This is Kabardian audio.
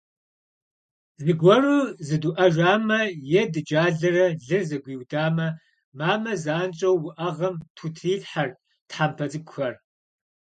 Зыгуэру зыдуӏэжамэ е дыджалэрэ лыр зэгуиудамэ, мамэ занщӏэу уӏэгъэм тхутрилъхьэрт тхьэмпэ цӏыкӏухэр.